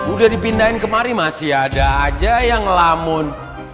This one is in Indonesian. udah dipindahin kemari masih ada aja yang lamun